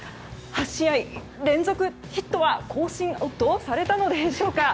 ８試合連続ヒットは更新されたのでしょうか？